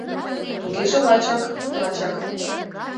— Тугеже лачак, лачак!